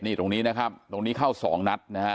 นี่ตรงนี้นะครับตรงนี้เข้าสองนัดนะฮะ